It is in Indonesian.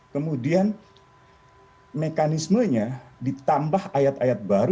kemudian mekanismenya ditambah ayat ayat baru